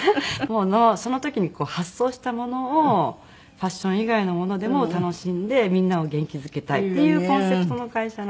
その時に発想したものをファッション以外のものでも楽しんでみんなを元気付けたいっていうコンセプトの会社なんですね。